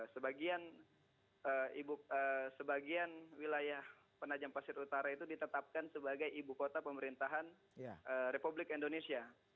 sebagian wilayah penajam pasir utara itu ditetapkan sebagai ibu kota pemerintahan republik indonesia